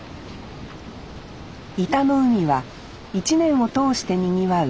井田の海は１年を通してにぎわう